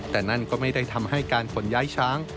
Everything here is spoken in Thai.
แต่นั่นก็ไม่ได้ทำให้การขนย้ายช้าง